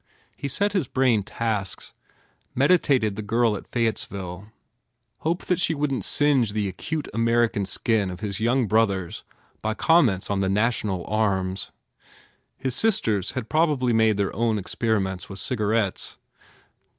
He set his brain tasks, meditated the girl at Fayettes ville, hoped that she wouldn t singe the acute American skin of his young brothers by comments on the national arms. His sisters had probably made their own experiments with cigarettes.